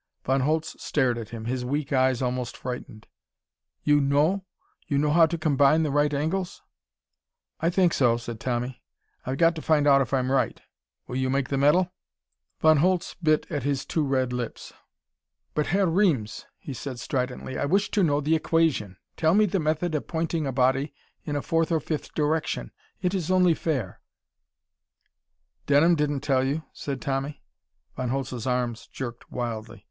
Von Holtz stared at him, his weak eyes almost frightened. "You know? You know how to combine the right angles?" "I think so," said Tommy. "I've got to find out if I'm right. Will you make the metal?" Von Holtz bit at his too red lips. "But Herr Reames!" he said stridently, "I wish to know the equation! Tell me the method of pointing a body in a fourth or a fifth direction. It is only fair " "Denham didn't tell you," said Tommy. Von Holtz's arms jerked wildly.